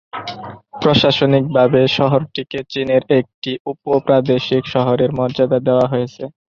প্রশাসনিকভাবে শহরটিকে চীনের একটি উপ-প্রাদেশিক শহরের মর্যাদা দেওয়া হয়েছে।